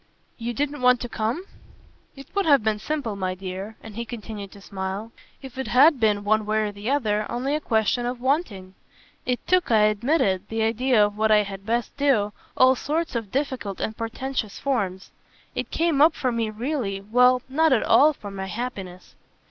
"You didn't want to come?" "It would have been simple, my dear" and he continued to smile "if it had been, one way or the other, only a question of 'wanting.' It took, I admit it, the idea of what I had best do, all sorts of difficult and portentous forms. It came up for me really well, not at all for my happiness."